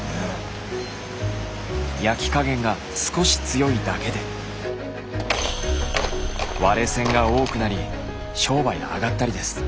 焼き加減が少し強いだけで「割れせん」が多くなり商売あがったりです。